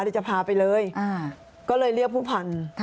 เดี๋ยวจะพาไปเลยก็เลยเรียกผู้พันธุ์